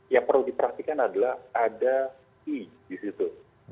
yang perlu dipraktikan adalah ada fee disitu